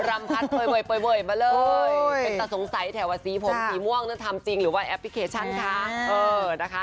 รำพัดบ่อยมาเลยเป็นตาสงสัยแถวว่าสีผมสีม่วงนั้นทำจริงหรือว่าแอปพลิเคชันคะ